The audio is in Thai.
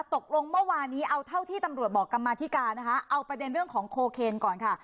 ตกลงเมื่อวานนี้เอาเท่าที่ตำรวจบอกกรรมาธิการนะคะเอาประเด็นเรื่องของโคเคนก่อนค่ะ